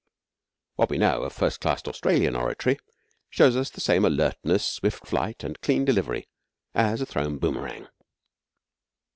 What we know of first class Australian oratory shows us the same alertness, swift flight, and clean delivery as a thrown boomerang.